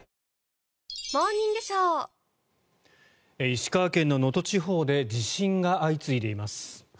石川県の能登地方で地震が相次いでいます。